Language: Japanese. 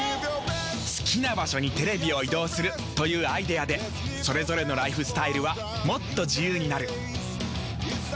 好きな場所にテレビを移動するというアイデアでそれぞれのライフスタイルはもっと自由になる。